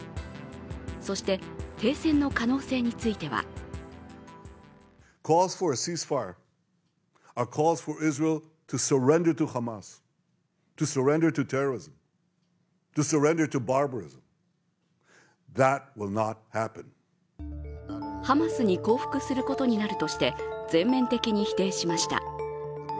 そして、停戦の可能性についてはハマスに降伏することになるとして全面的に否定しました。